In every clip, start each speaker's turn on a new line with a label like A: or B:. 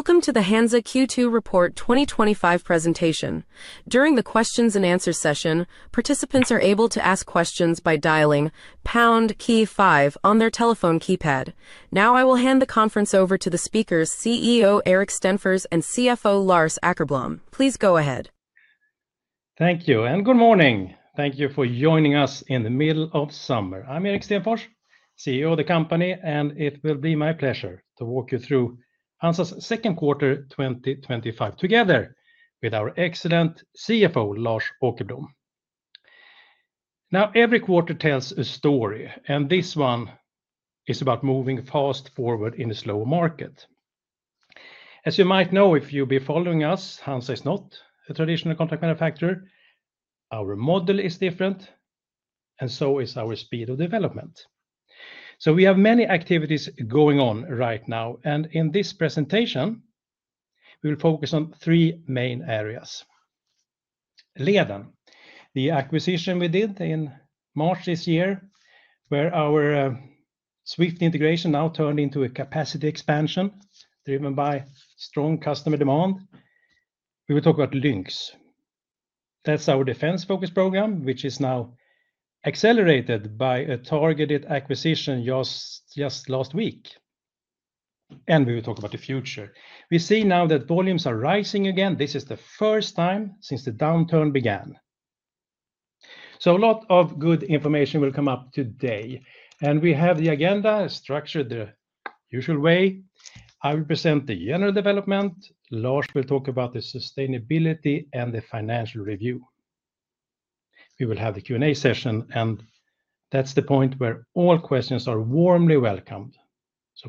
A: Welcome to the HANZA Q2 report 2025 presentation. During the questions and answers session, participants are able to ask questions by dialing *25 on their telephone keypad. Now, I will hand the conference over to the speakers, CEO Erik Stenfors and CFO Lars Åkerblom. Please go ahead.
B: Thank you, and good morning. Thank you for joining us in the middle of summer. I'm Erik Stenfors, CEO of the company, and it will be my pleasure to walk you through HANZA's second quarter 2025 together with our excellent CFO, Lars Åkerblom. Every quarter tells a story, and this one is about moving fast forward in a slow market. As you might know, if you've been following us, HANZA is not a traditional contract manufacturer. Our model is different, and so is our speed of development. We have many activities going on right now, and in this presentation, we will focus on three main areas. Leden, the acquisition we did in March this year, where our swift integration now turned into a capacity expansion driven by strong customer demand. We will talk about LYNX. That's our defense-focused program, which is now accelerated by a targeted acquisition just last week. We will talk about the future. We see now that volumes are rising again. This is the first time since the downturn began. A lot of good information will come up today. We have the agenda structured the usual way. I will present the general development. Lars will talk about the sustainability and the financial review. We will have the Q&A session, and that's the point where all questions are warmly welcomed.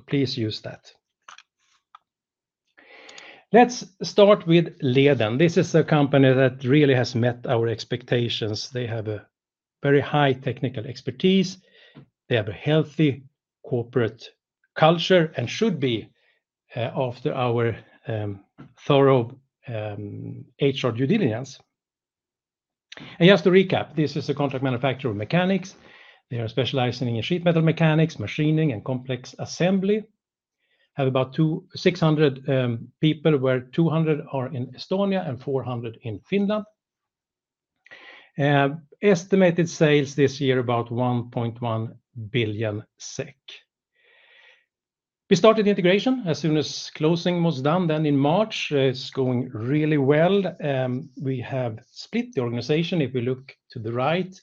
B: Please use that. Let's start with Leden. This is a company that really has met our expectations. They have a very high technical expertise. They have a healthy corporate culture and should be, after our thorough HR due diligence. Just to recap, this is a contract manufacturer of mechanics. They are specializing in sheet metal mechanics, machining, and complex assembly. They have about 600 people, where 200 are in Estonia and 400 in Finland. Estimated sales this year, about 1.1 billion SEK. We started integration as soon as closing was done, then in March. It's going really well. We have split the organization. If we look to the right,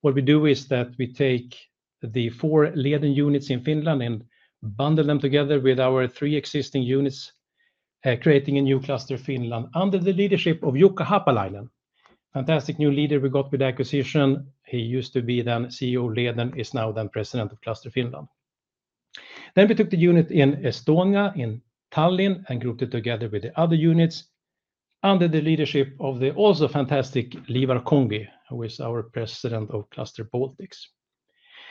B: what we do is that we take the four Leden units in Finland and bundle them together with our three existing units, creating a new Cluster Finland under the leadership of Jukka Haapalainen. Fantastic new leader we got with the acquisition. He used to be CEO of Leden, is now president of Cluster Finland. We took the unit in Estonia, in Tallinn, and grouped it together with the other units under the leadership of the also fantastic Liivar Kongi, who is our president of Cluster Baltics.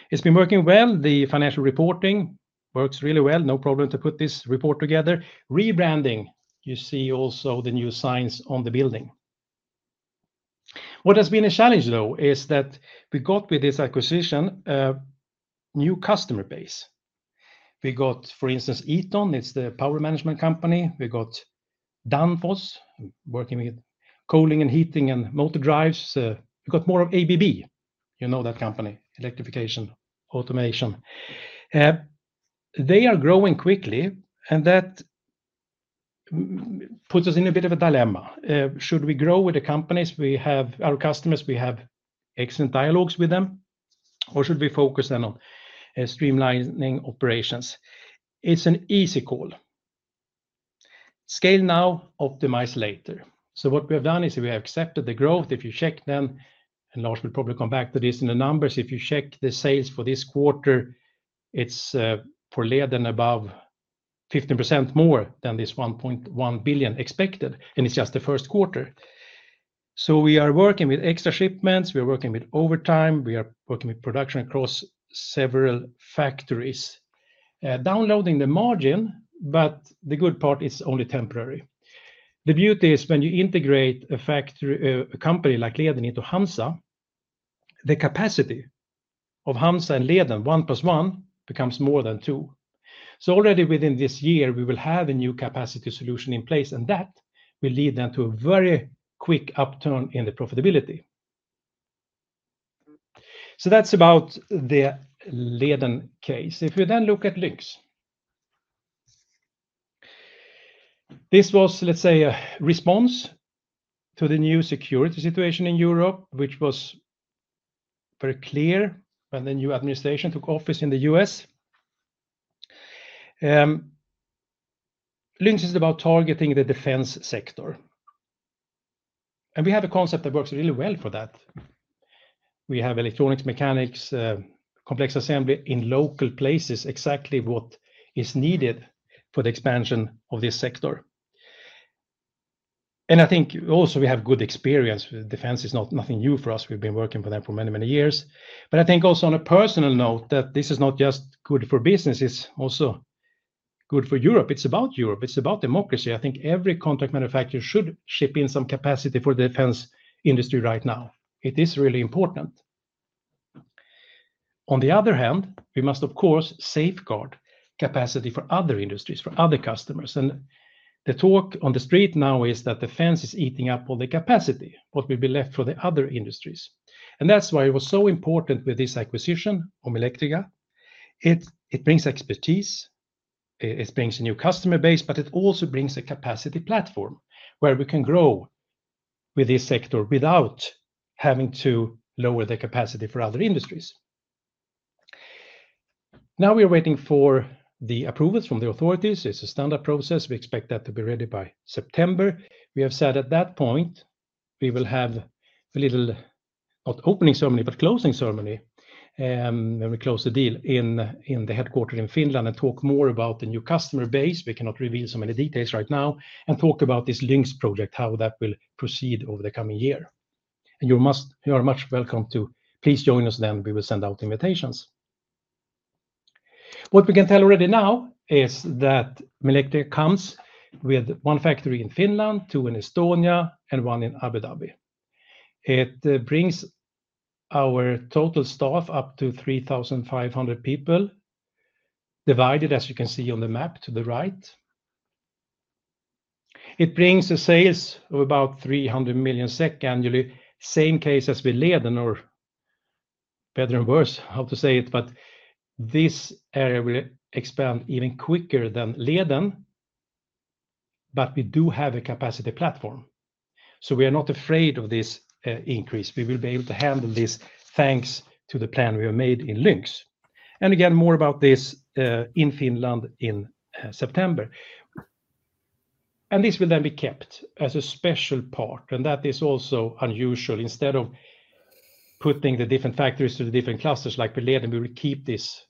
B: It's been working well. The financial reporting works really well. No problem to put this report together. Rebranding, you see also the new signs on the building. What has been a challenge, though, is that we got with this acquisition a new customer base. We got, for instance, Eaton, it's the power management company. We got Danfoss, working with cooling and heating and motor drives. We got more of ABB, you know that company, electrification, automation. They are growing quickly, and that puts us in a bit of a dilemma. Should we grow with the companies we have, our customers we have, excellent dialogues with them, or should we focus then on streamlining operations? It's an easy call. Scale now, optimize later. What we have done is we have accepted the growth. If you check then, and Lars will probably come back to this in the numbers, if you check the sales for this quarter, it's for Leden above 15% more than this 1.1 billion expected, and it's just the first quarter. We are working with extra shipments, we are working with overtime, we are working with production across several factories, downloading the margin, but the good part is only temporary. The beauty is when you integrate a factory, a company like Leden into HANZA, the capacity of HANZA and Leden, 1 + 1, becomes more than two. Already within this year, we will have a new capacity solution in place, and that will lead them to a very quick upturn in the profitability. That's about the Leden case. If you then look at LYNX, this was, let's say, a response to the new security situation in Europe, which was very clear when the new administration took office in the U.S. LYNX is about targeting the defense sector. We have a concept that works really well for that. We have electronics, mechanics, complex assembly in local places, exactly what is needed for the expansion of this sector. I think also we have good experience. Defense is not nothing new for us. We've been working for them for many, many years. I think also on a personal note that this is not just good for business, it's also good for Europe. It's about Europe. It's about democracy. I think every contract manufacturer should ship in some capacity for the defense industry right now. It is really important. On the other hand, we must, of course, safeguard capacity for other industries, for other customers. The talk on the street now is that defense is eating up all the capacity, what will be left for the other industries. That is why it was so important with this acquisition of Milectria. It brings expertise, it brings a new customer base, but it also brings a capacity platform where we can grow with this sector without having to lower the capacity for other industries. Now we are waiting for the approvals from the authorities. It is a standard process. We expect that to be ready by September. We have said at that point, we will have a little, not opening ceremony, but closing ceremony. When we close the deal in the headquarters in Finland and talk more about the new customer base, we cannot reveal so many details right now, and talk about this LYNX program, how that will proceed over the coming year. You are much welcome to please join us, and we will send out invitations. What we can tell already now is that Milectria comes with one factory in Finland, two in Estonia, and one in Abu Dhabi. It brings our total staff up to 3,500 people, divided, as you can see on the map to the right. It brings a sales of about 300 million SEK annually, same case as with Leden, or better and worse, how to say it, but this area will expand even quicker than Leden. We do have a capacity platform. We are not afraid of this increase. We will be able to handle this thanks to the plan we have made in LYNX. More about this in Finland in September. This will then be kept as a special part, and that is also unusual. Instead of putting the different factories to the different clusters like we did, we will keep this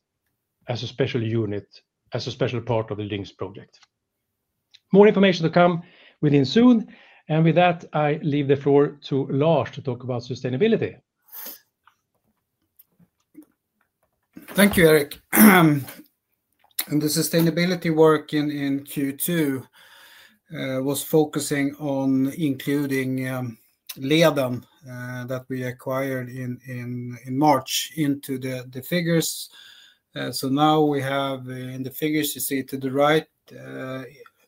B: as a special unit, as a special part of the LYNX project. More information to come within soon. With that, I leave the floor to Lars to talk about sustainability.
C: Thank you, Erik. The sustainability work in Q2 was focusing on including Leden that we acquired in March into the figures. Now we have in the figures, you see to the right,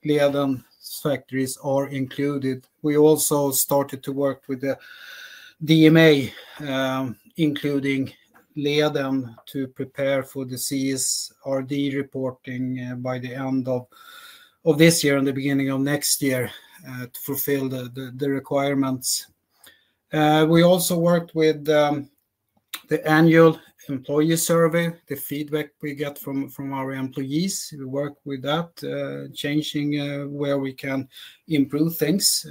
C: Leden factories are included. We also started to work with the DMA, including Leden to prepare for the CSRD reporting by the end of this year and the beginning of next year to fulfill the requirements. We also worked with the annual employee survey, the feedback we get from our employees. We worked with that, changing where we can improve things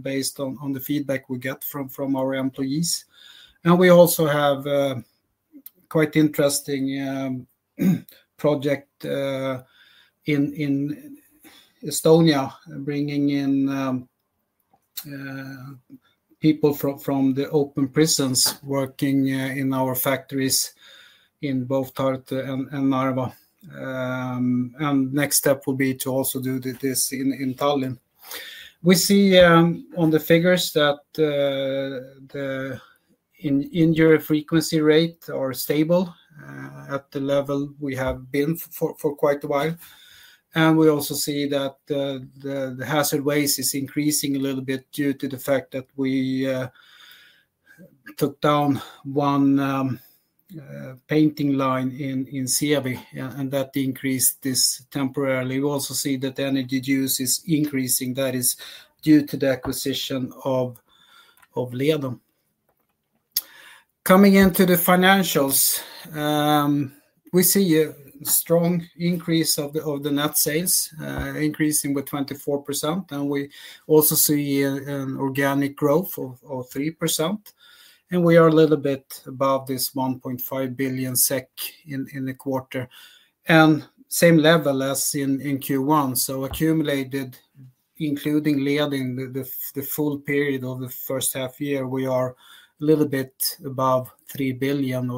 C: based on the feedback we get from our employees. We also have quite an interesting project in Estonia, bringing in people from the open prisons working in our factories in both Tartu and Narva. The next step will be to also do this in Tallinn. We see on the figures that the injury frequency rates are stable at the level we have been for quite a while. We also see that the hazard waste is increasing a little bit due to the fact that we took down one painting line in Sievi, and that increased this temporarily. We also see that the energy use is increasing. That is due to the acquisition of Leden. Coming into the financials, we see a strong increase of the net sales, increasing with 24%. We also see an organic growth of 3%. We are a little bit above this 1.5 billion SEK in the quarter, at the same level as in Q1. Accumulated, including Leden, the full period of the first half year, we are a little bit above 3 billion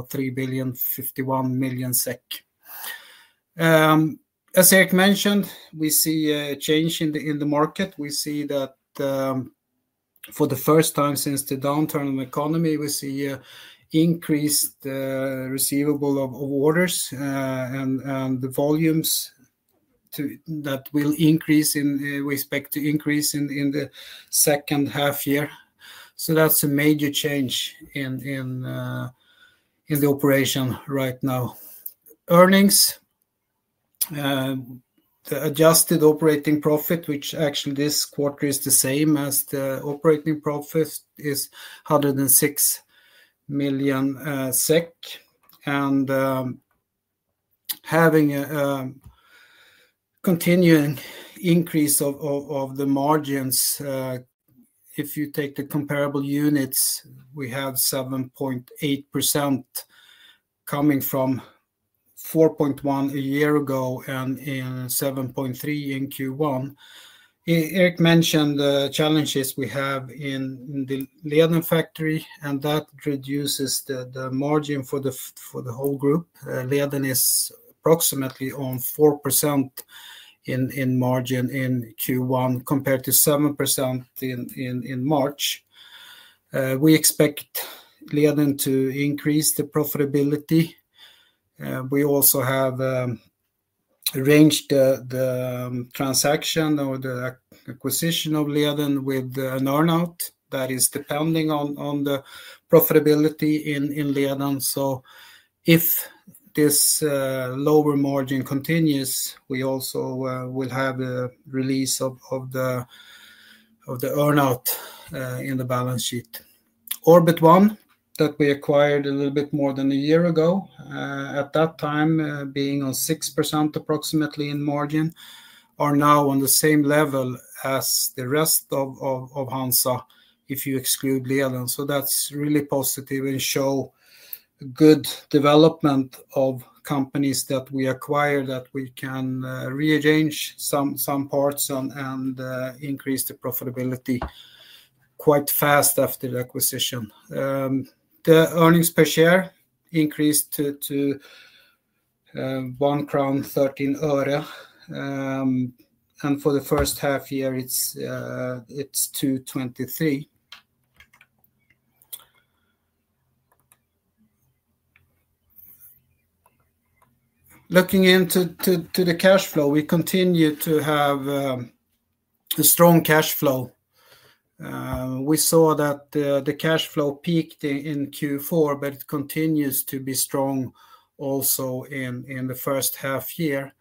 C: or 3,051,000,000 SEK. As Erik mentioned, we see a change in the market. For the first time since the downturn in the economy, we see an increased receivable of orders and the volumes that will increase in respect to increase in the second half year. That is a major change in the operation right now. Earnings, the adjusted operating profit, which actually this quarter is the same as the operating profit, is SEK 106 million. Having a continuing increase of the margins, if you take the comparable units, we have 7.8% coming from 4.1% a year ago and 7.3% in Q1. Erik mentioned the challenges we have in the Leden factory, and that reduces the margin for the whole group. Leden is approximately on 4% in margin in Q1 compared to 7% in March. We expect Leden to increase the profitability. We also have arranged the transaction or the acquisition of Leden with an earnout that is depending on the profitability in Leden. If this lower margin continues, we also will have a release of the earnout in the balance sheet. Orbit One, that we acquired a little bit more than a year ago, at that time, being on 6% approximately in margin, are now on the same level as the rest of HANZA, if you exclude Leden. That's really positive and shows good development of companies that we acquire, that we can rearrange some parts and increase the profitability quite fast after the acquisition. The earnings per share increased to 1.13 crown. For the first half year, it's 2.23. Looking into the cash flow, we continue to have a strong cash flow. We saw that the cash flow peaked in Q4, but it continues to be strong also in the first half year.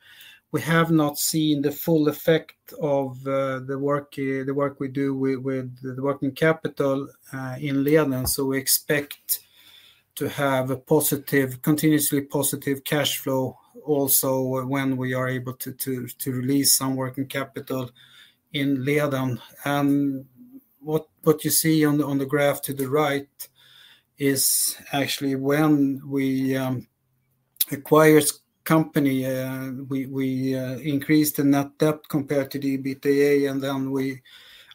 C: We have not seen the full effect of the work we do with the working capital in Leden. We expect to have a positive, continuously positive cash flow also when we are able to release some working capital in Leden. What you see on the graph to the right is actually when we acquire a company, we increase the net debt compared to the EBITDA, and then we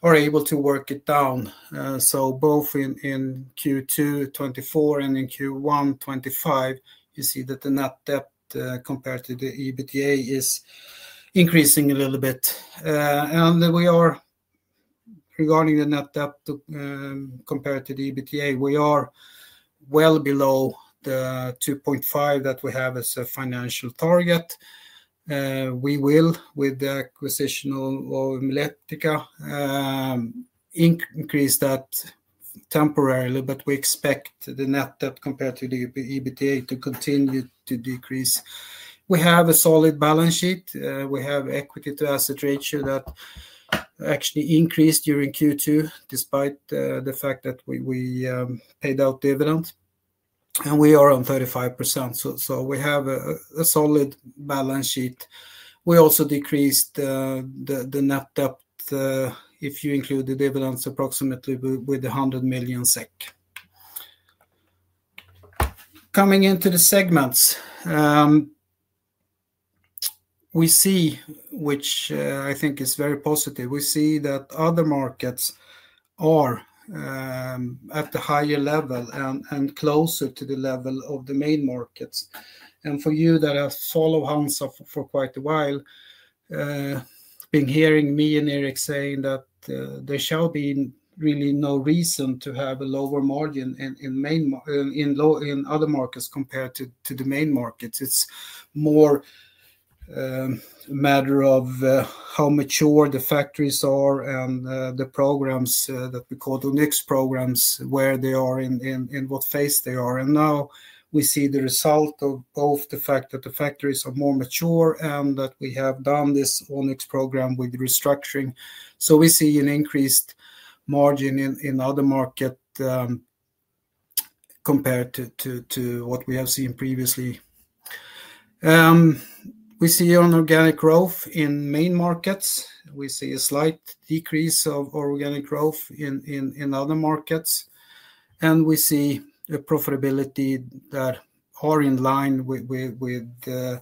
C: are able to work it down. Both in Q2 2024 and in Q1 2025, you see that the net debt compared to the EBITDA is increasing a little bit. Regarding the net debt compared to the EBITDA, we are well below the 2.5% that we have as a financial target. With the acquisition of Milectria, we will increase that temporarily, but we expect the net debt compared to the EBITDA to continue to decrease. We have a solid balance sheet. We have equity-to-asset ratio that actually increased during Q2 despite the fact that we paid out dividends. We are on 35%. We have a solid balance sheet. We also decreased the net debt if you include the dividends approximately with 100 million SEK. Coming into the segments, we see, which I think is very positive, that other markets are at the higher level and closer to the level of the main markets. For you that have followed HANZA for quite a while, you've been hearing me and Erik saying that there shall be really no reason to have a lower margin in other markets compared to the main markets. It's more a matter of how mature the factories are and the programs that we call the ONYX programs, where they are and in what phase they are. Now we see the result of both the fact that the factories are more mature and that we have done this ONYX program with restructuring. We see an increased margin in other markets compared to what we have seen previously. We see an organic growth in main markets. We see a slight decrease of organic growth in other markets. We see profitability that is in line with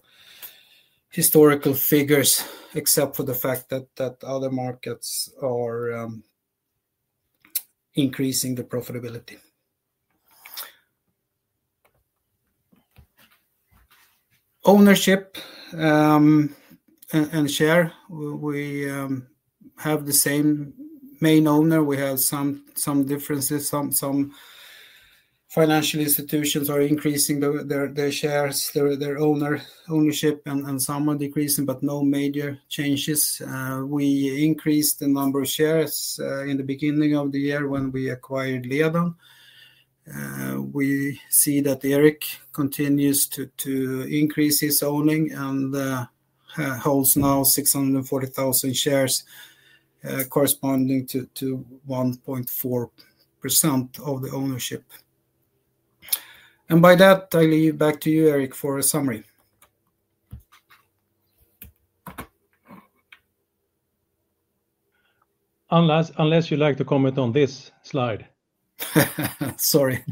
C: historical figures, except for the fact that other markets are increasing the profitability. Ownership and share, we have the same main owner. We have some differences. Some financial institutions are increasing their shares, their ownership, and some are decreasing, but no major changes. We increased the number of shares in the beginning of the year when we acquired Leden. Erik continues to increase his owning and holds now 640,000 shares, corresponding to 1.4% of the ownership. By that, I leave it back to you, Erik, for a summary.
B: Unless you'd like to comment on this slide.
C: Sorry.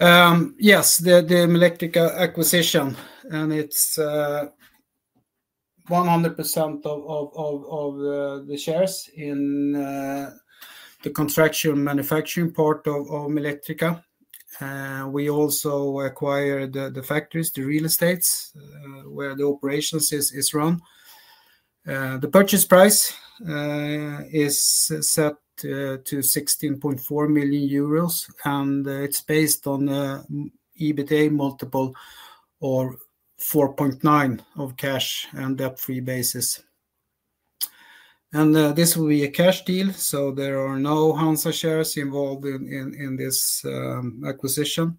C: Yes, the Milectria acquisition, and it's 100% of the shares in the contract manufacturing part of Milectria. We also acquired the factories, the real estates, where the operations are run. The purchase price is set to 16.4 million euros, and it's based on an EBITDA multiple of 4.9% on a cash and debt-free basis. This will be a cash deal, so there are no HANZA shares involved in this acquisition.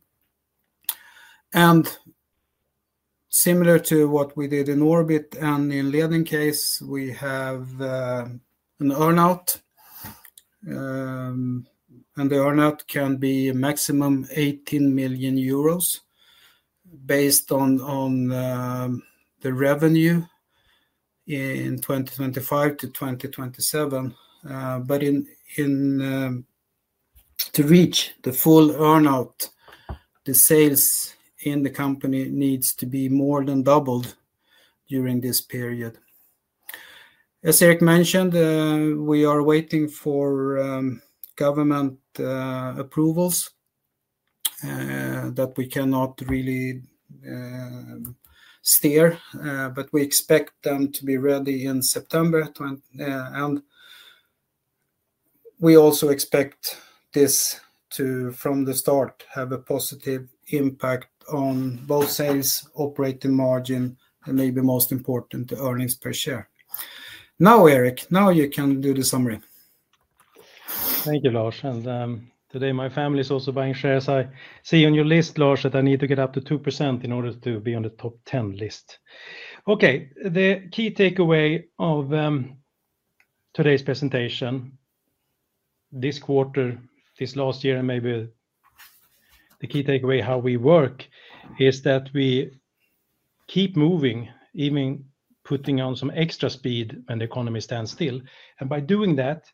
C: Similar to what we did in Orbit One and in the Leden case, we have an earnout, and the earnout can be a maximum of 18 million euros based on the revenue in 2025 to 2027. To reach the full earnout, the sales in the company need to be more than doubled during this period. As Erik mentioned, we are waiting for government approvals that we cannot really steer, but we expect them to be ready in September. We also expect this to, from the start, have a positive impact on both sales, operating margin, and maybe most important, the earnings per share. Now, Erik, now you can do the summary.
B: Thank you, Lars. Today, my family is also buying shares. I see on your list, Lars, that I need to get up to 2% in order to be on the top 10 list. The key takeaway of today's presentation, this quarter, this last year, and maybe the key takeaway of how we work is that we keep moving, even putting on some extra speed when the economy stands still. By doing that,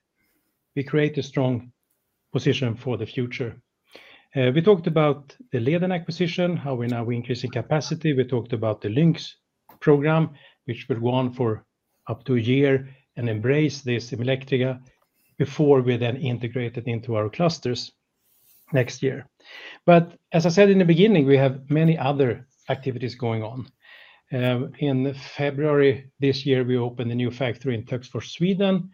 B: we create a strong position for the future. We talked about the Leden acquisition, how we're now increasing capacity. We talked about the LYNX program, which will run for up to a year and embrace this in Milectria before we then integrate it into our clusters next year. As I said in the beginning, we have many other activities going on. In February this year, we opened a new factory in Töcksfors, Sweden.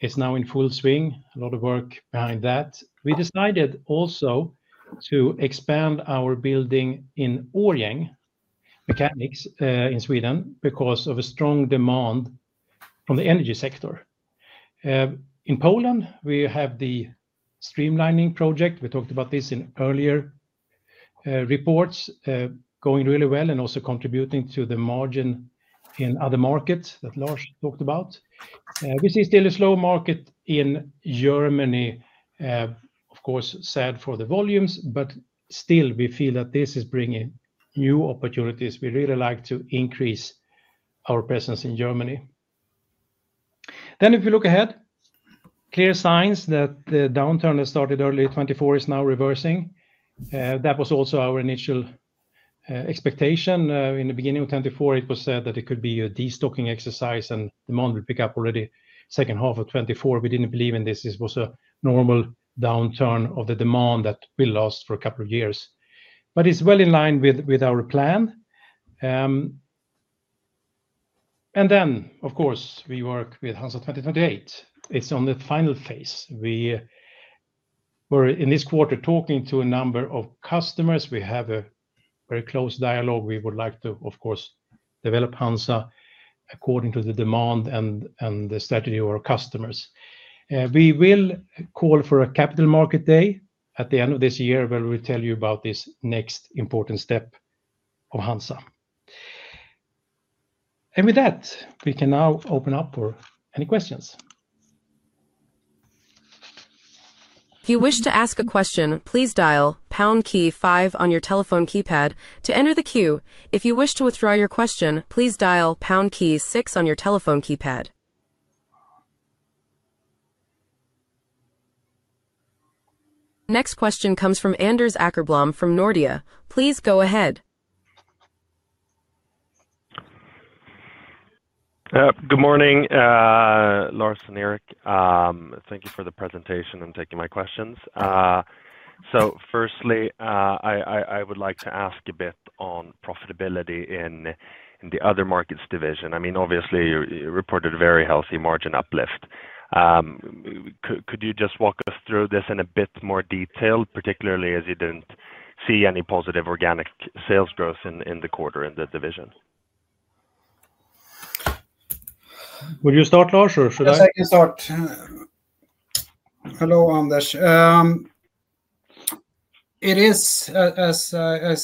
B: It's now in full swing, a lot of work behind that. We decided also to expand our building in Årjäng, mechanics in Sweden, because of a strong demand from the energy sector. In Poland, we have the streamlining project. We talked about this in earlier reports, going really well and also contributing to the margin in other markets that Lars talked about. We see still a slow market in Germany. Of course, sad for the volumes, but still, we feel that this is bringing new opportunities. We really like to increase our presence in Germany. If we look ahead, clear signs that the downturn that started early in 2024 is now reversing. That was also our initial expectation. In the beginning of 2024, it was said that it could be a destocking exercise and demand would pick up already the second half of 2024. We didn't believe in this. This was a normal downturn of the demand that we lost for a couple of years. It is well in line with our plan. Of course, we work with HANZA 2028. It's in the final phase. We were in this quarter talking to a number of customers. We have a very close dialogue. We would like to, of course, develop HANZA according to the demand and the strategy of our customers. We will call for a capital market day at the end of this year where we tell you about this next important step of HANZA. With that, we can now open up for any questions.
A: If you wish to ask a question, please dial #25 on your telephone keypad to enter the queue. If you wish to withdraw your question, please dial #6 on your telephone keypad. Next question comes from Anders Åkerblom from Nordea. Please go ahead.
D: Good morning, Lars and Erik. Thank you for the presentation and taking my questions. Firstly, I would like to ask a bit on profitability in the Other Markets division. I mean, obviously, you reported a very healthy margin uplift. Could you just walk us through this in a bit more detail, particularly as you didn't see any positive organic sales growth in the quarter in the division?
B: Would you start, Lars, or should I?
C: I'll start. Hello, Anders. As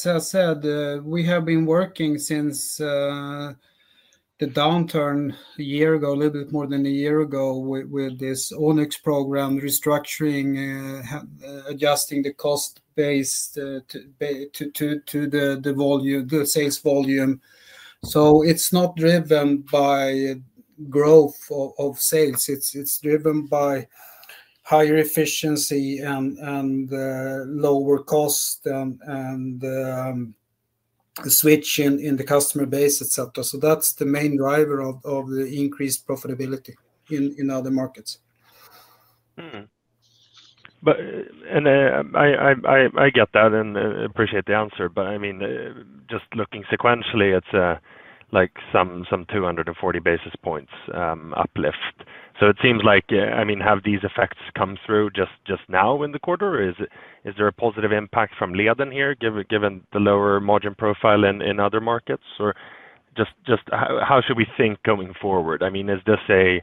C: I said, we have been working since the downturn a year ago, a little bit more than a year ago, with this ONYX restructuring program, adjusting the cost base to the sales volume. It's not driven by growth of sales. It's driven by higher efficiency and lower cost and the switch in the customer base, etc. That's the main driver of the increased profitability in other markets.
D: I get that and appreciate the answer, but I mean, just looking sequentially, it's like some 240 basis points uplift. It seems like, I mean, have these effects come through just now in the quarter? Is there a positive impact from Leden here, given the lower margin profile in other markets? How should we think going forward? I mean, is this a,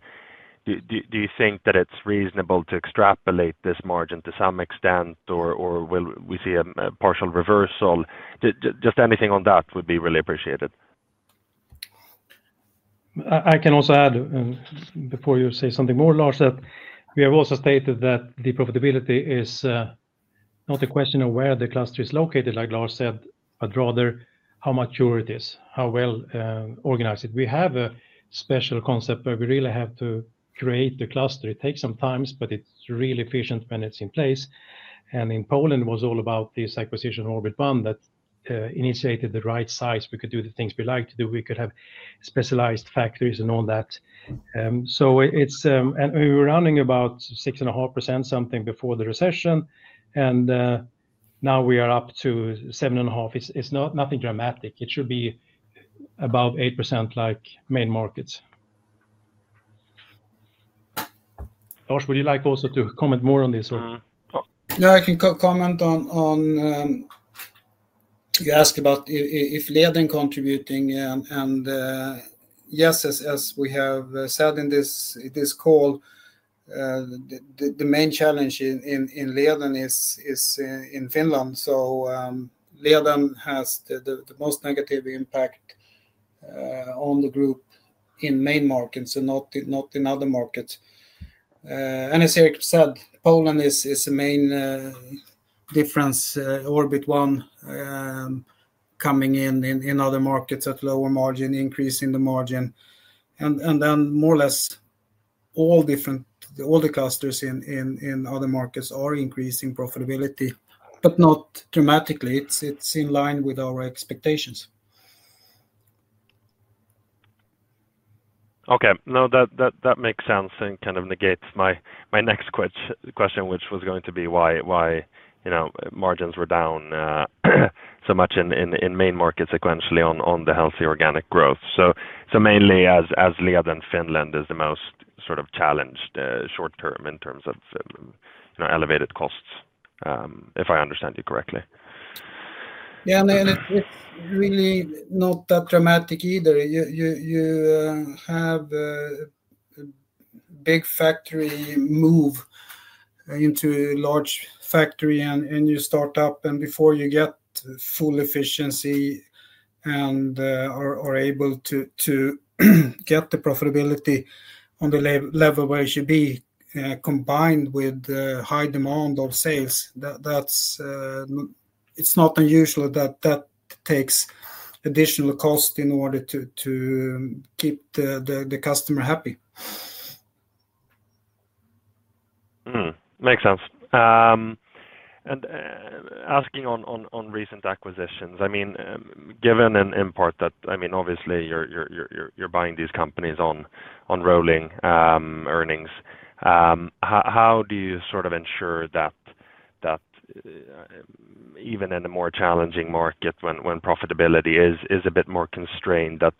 D: do you think that it's reasonable to extrapolate this margin to some extent, or will we see a partial reversal? Anything on that would be really appreciated.
B: I can also add, before you say something more, Lars, that we have also stated that the profitability is not a question of where the cluster is located, like Lars said, but rather how mature it is, how well organized it is. We have a special concept where we really have to create the cluster. It takes some time, but it's really efficient when it's in place. In Poland, it was all about this acquisition of Orbit One that initiated the right size. We could do the things we like to do. We could have specialized factories and all that. We were running about 6.5% something before the recession, and now we are up to 7.5%. It's nothing dramatic. It should be above 8% like main markets. Lars, would you like also to comment more on this?
C: Yeah, I can comment on you ask about if Leden is contributing. Yes, as we have said in this call, the main challenge in Leden is in Finland. Leden has the most negative impact on the group in main markets and not in other markets. As Erik said, Poland is the main difference, Orbit One coming in in other markets at lower margin, increasing the margin. More or less all different, all the clusters in other markets are increasing profitability, but not dramatically. It's in line with our expectations.
D: Okay. No, that makes sense and kind of negates my next question, which was going to be why margins were down so much in main markets sequentially on the healthy organic growth. Mainly as Leden Finland is the most sort of challenged short term in terms of elevated costs, if I understand you correctly.
C: Yeah, it's really not that dramatic either. You have a big factory move into a large factory and you start up, and before you get full efficiency and are able to get the profitability on the level where it should be, combined with high demand of sales, it's not unusual that that takes additional cost in order to keep the customer happy.
D: Makes sense. Asking on recent acquisitions, given in part that, obviously, you're buying these companies on rolling earnings, how do you sort of ensure that even in a more challenging market when profitability is a bit more constrained, that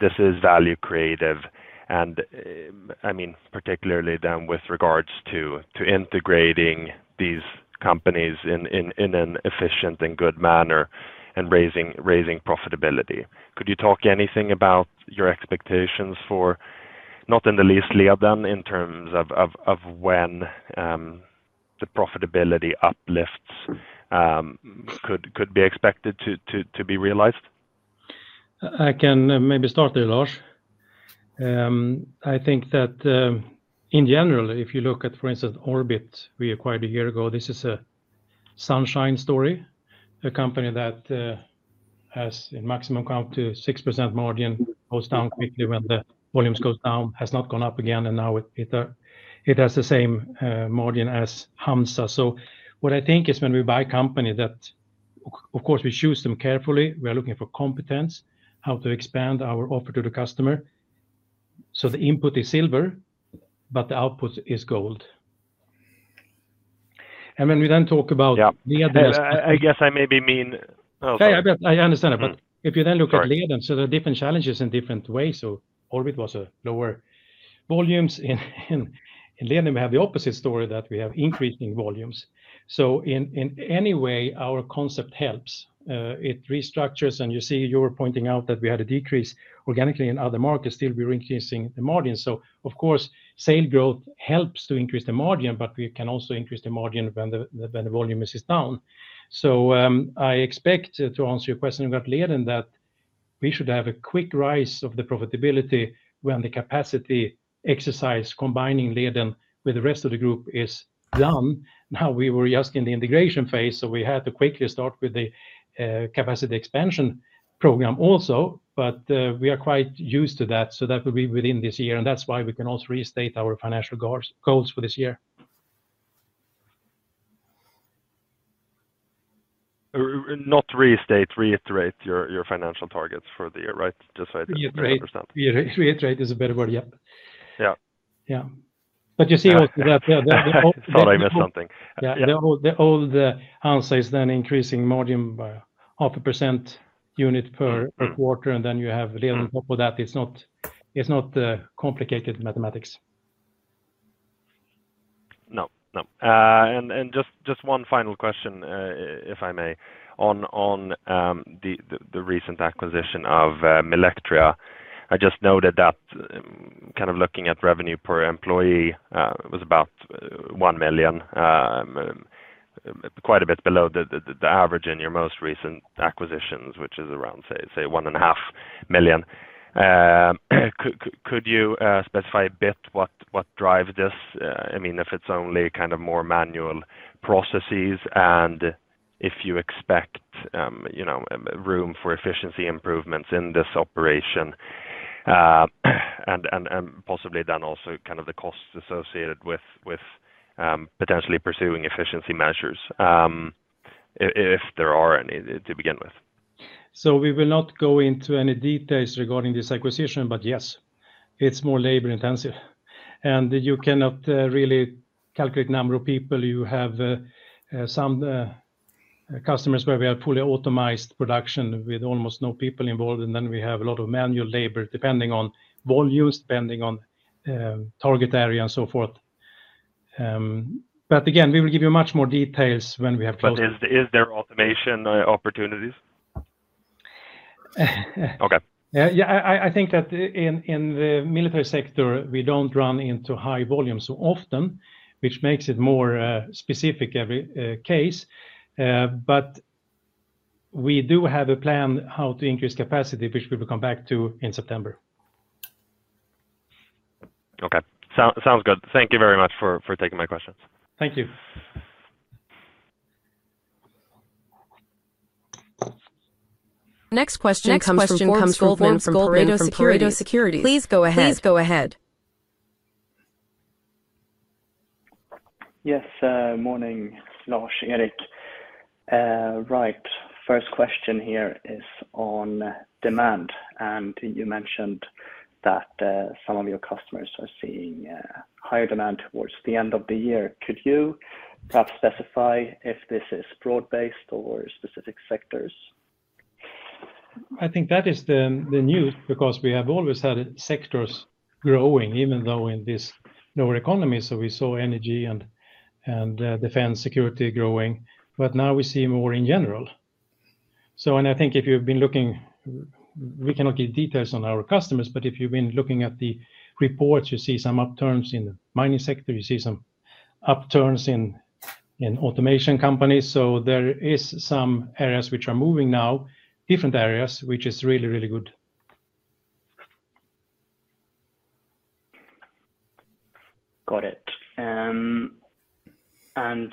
D: this is value creative? Particularly then with regards to integrating these companies in an efficient and good manner and raising profitability, could you talk anything about your expectations for, not in the least, Leden in terms of when the profitability uplifts could be expected to be realized?
B: I can maybe start there, Lars. I think that in general, if you look at, for instance, Orbit, we acquired a year ago. This is a sunshine story, a company that has, in maximum count, 6% margin, goes down quickly when the volumes go down, has not gone up again, and now it has the same margin as HANZA. What I think is when we buy a company, of course, we choose them carefully. We are looking for competence, how to expand our offer to the customer. The input is silver, but the output is gold. When we then talk about Leden.
D: I guess I maybe mean.
B: I understand it, but if you then look at Leden, there are different challenges in different ways. Orbit was lower volumes. In Leden, we have the opposite story that we have increasing volumes. In any way, our concept helps. It restructures, and you see, you were pointing out that we had a decrease organically in other markets. Still, we were increasing the margin. Of course, sales growth helps to increase the margin, but we can also increase the margin when the volume is down. I expect, to answer your question about Leden, that we should have a quick rise of the profitability when the capacity exercise combining Leden with the rest of the group is done. Now, we were just in the integration phase, so we had to quickly start with the capacity expansion program also, but we are quite used to that. That will be within this year, and that's why we can also restate our financial goals for this year.
D: Not to restate, reiterate your financial targets for the year, right? Just say the 5%.
B: Reiterate is a better word, yeah. You see that.
D: I thought I missed something.
B: Yeah, the old HANZA is then increasing margin by 0.5% per quarter, and then you have Leden on top of that. It's not complicated mathematics.
D: No, no. Just one final question, if I may, on the recent acquisition of Milectria. I just noted that looking at revenue per employee, it was about 1 million, quite a bit below the average in your most recent acquisitions, which is around, say, 1.5 million. Could you specify a bit what drives this? I mean, if it's only more manual processes and if you expect room for efficiency improvements in this operation, and possibly then also the costs associated with potentially pursuing efficiency measures, if there are any, to begin with.
B: We will not go into any details regarding this acquisition, but yes, it's more labor-intensive. You cannot really calculate the number of people. You have some customers where we have fully automized production with almost no people involved, and then we have a lot of manual labor depending on volumes, depending on target area, and so forth. Again, we will give you much more details when we have closed.
D: Is there automation opportunities?
B: I think that in the military sector, we don't run into high volumes so often, which makes it more specific every case. We do have a plan how to increase capacity, which we will come back to in September.
D: Okay. Sounds good. Thank you very much for taking my questions.
B: Thank you.
A: Next question comes from Forbes Goldman with Pareto Securities. Please go ahead.
E: Yes. Morning, Lars, Erik. First question here is on demand. You mentioned that some of your customers are seeing higher demand towards the end of the year. Could you perhaps specify if this is broad-based or specific sectors?
B: I think that is the news because we have always had sectors growing, even though in this lower economy. We saw energy and defense security growing. Now we see more in general. I think if you've been looking, we cannot give details on our customers, but if you've been looking at the reports, you see some upturns in the mining sector. You see some upturns in automation companies. There are some areas which are moving now, different areas, which is really, really good.
E: Got it.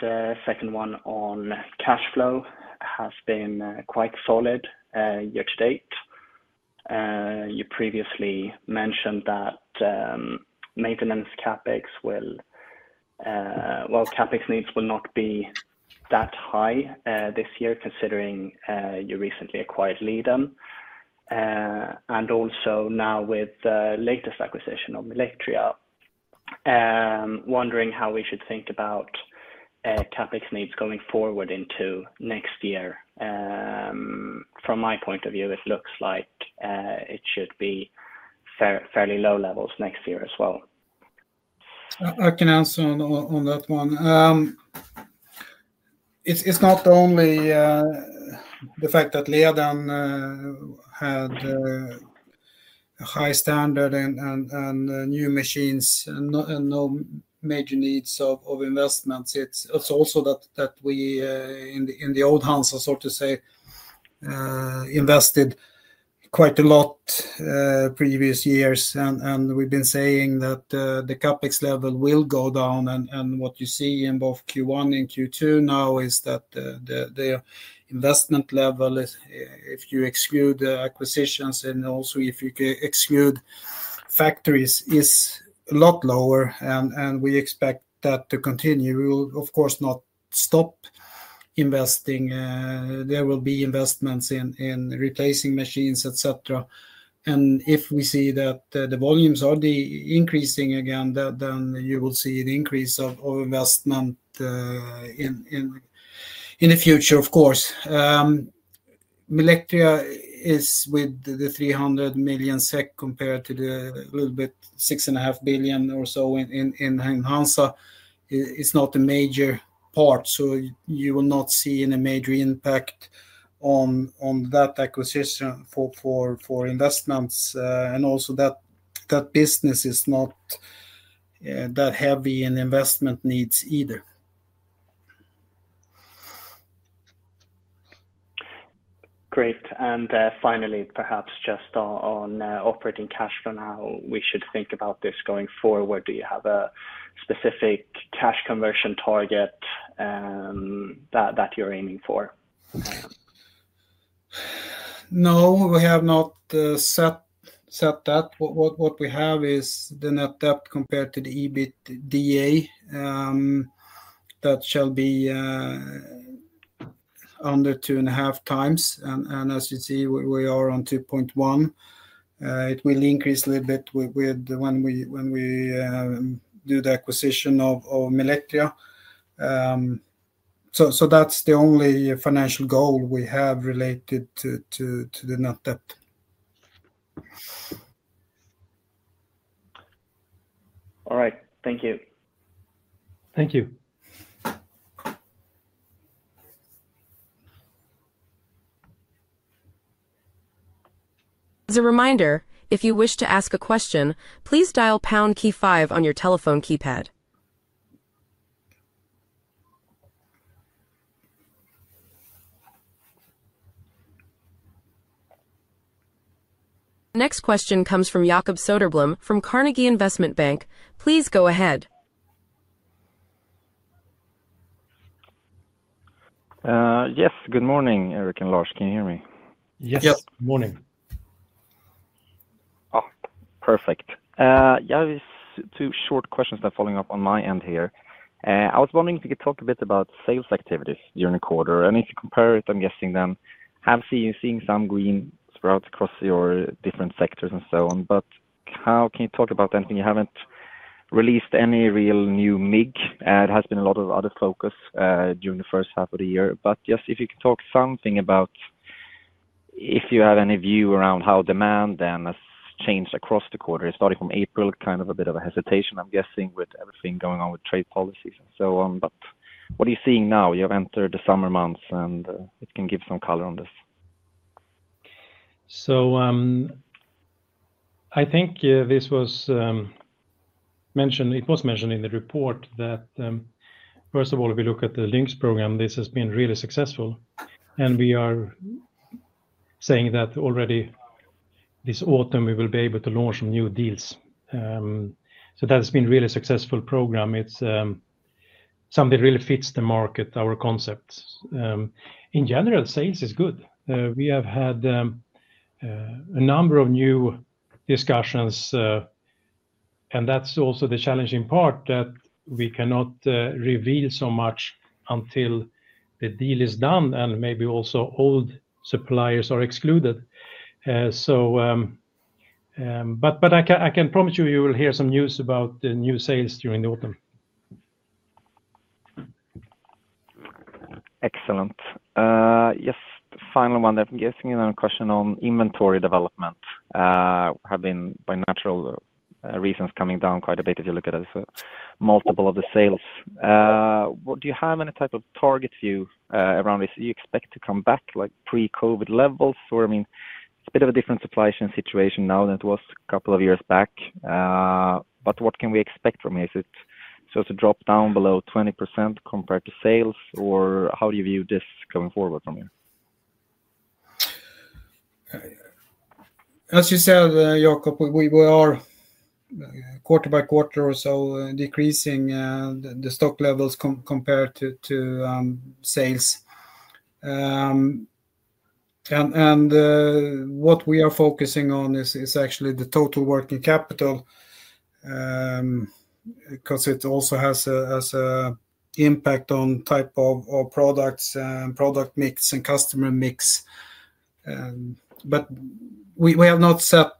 E: The second one on cash flow has been quite solid year to date. You previously mentioned that maintenance CapEx needs will not be that high this year considering you recently acquired Leden. Also, now with the latest acquisition of Milectria, wondering how we should think about CapEx needs going forward into next year. From my point of view, it looks like it should be fairly low levels next year as well.
C: I can answer on that one. It's not only the fact that Leden had a high standard and new machines and no major needs of investment. It's also that we, in the old HANZA, so to say, invested quite a lot previous years. We've been saying that the CapEx level will go down. What you see in both Q1 and Q2 now is that the investment level, if you exclude the acquisitions and also if you exclude factories, is a lot lower. We expect that to continue. We will, of course, not stop investing. There will be investments in replacing machines, etc. If we see that the volumes are increasing again, you will see an increase of investment in the future, of course. Milectria is with the 300 million SEK compared to the little bit 6.5 billion or so in HANZA. It's not a major part. You will not see a major impact on that acquisition for investments. Also, that business is not that heavy in investment needs either.
E: Great. Finally, perhaps just on operating cash flow now, we should think about this going forward. Do you have a specific cash conversion target that you're aiming for?
C: No, we have not set that. What we have is the net debt compared to the EBITDA that shall be under 2.5x. As you see, we are on 2.1x. It will increase a little bit when we do the acquisition of Milectria. That's the only financial goal we have related to the net debt.
E: All right, thank you.
B: Thank you.
A: As a reminder, if you wish to ask a question, please dial pound key five on your telephone keypad. Next question comes from Jacob Söderblom from Carnegie Investment Bank. Please go ahead.
F: Yes. Good morning, Erik and Lars. Can you hear me?
B: Yes, good morning.
F: Perfect. Yeah, two short questionsand a follow up on my end here. I was wondering if you could talk a bit about sales activities during the quarter. If you compare it, I'm guessing then I have seen some green sprouts across your different sectors and so on. How can you talk about anything? You haven't released any real new MIG. There has been a lot of other focus during the first half of the year. If you could talk something about if you have any view around how demand then has changed across the quarter. It started from April, kind of a bit of a hesitation, I'm guessing, with everything going on with trade policies and so on. What are you seeing now? You have entered the summer months, and it can give some color on this.
B: I think this was mentioned. It was mentioned in the report that, first of all, if we look at the LYNX program, this has been really successful. We are saying that already this autumn, we will be able to launch some new deals. That has been a really successful program. It's something that really fits the market, our concept. In general, sales is good. We have had a number of new discussions, and that's also the challenging part that we cannot reveal so much until the deal is done and maybe also old suppliers are excluded. I can promise you, you will hear some news about the new sales during the autumn.
F: Excellent. Yes. Final one, I'm guessing another question on inventory development. We have been, by natural reasons, coming down quite a bit if you look at multiple of the sales. Do you have any type of target view around this? Do you expect to come back like pre-COVID levels? I mean, it's a bit of a different supply chain situation now than it was a couple of years back. What can we expect from you? Is it supposed to drop down below 20% compared to sales, or how do you view this going forward from here?
C: As you said, Jacob, we are quarter by quarter or so decreasing the stock levels compared to sales. What we are focusing on is actually the total working capital because it also has an impact on type of products and product mix and customer mix. We have not set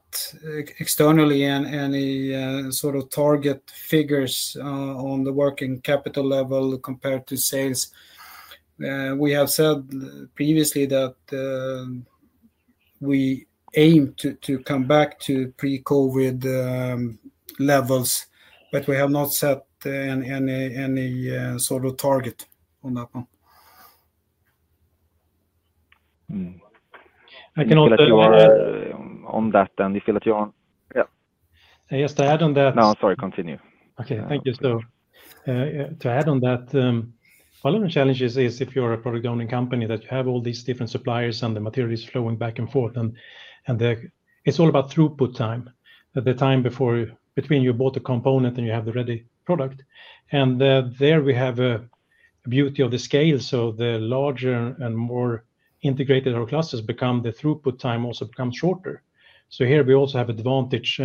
C: externally any sort of target figures on the working capital level compared to sales. We have said previously that we aim to come back to pre-COVID levels, but we have not set any sort of target on that one.
F: Do you feel that you are?
B: Yes, to add on that.
F: No, I'm sorry. Continue.
B: Thank you, sir. To add on that, one of the challenges is if you're a product-owning company, that you have all these different suppliers and the materials flowing back and forth. It's all about throughput time, the time between you bought a component and you have the ready product. There we have a beauty of the scale. The larger and more integrated our clusters become, the throughput time also becomes shorter. Here we also have advantage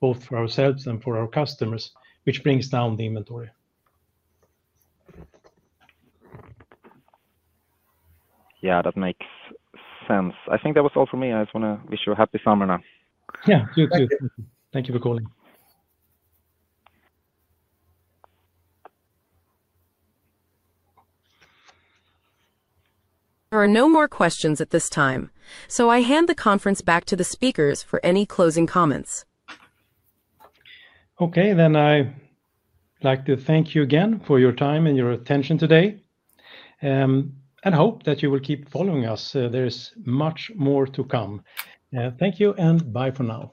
B: both for ourselves and for our customers, which brings down the inventory.
F: Yeah, that makes sense. I think that was all for me. I just want to wish you a happy summer now.
B: Yeah, you too. Thank you for calling.
A: There are no more questions at this time. I hand the conference back to the speakers for any closing comments.
B: Thank you again for your time and your attention today and hope that you will keep following us. There is much more to come. Thank you and bye for now.